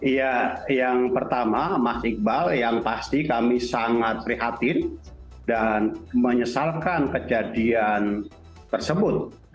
ya yang pertama mas iqbal yang pasti kami sangat prihatin dan menyesalkan kejadian tersebut